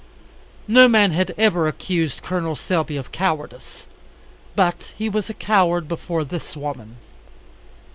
No man had ever accused Col. Selby of cowardice. But he was a coward before this woman.